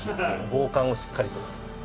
防寒をしっかりと。